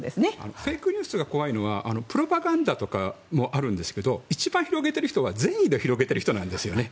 フェイクニュースが怖いのはプロパガンダとかもあるんですけど一番広げている人が善意で広げてる人なんですよね。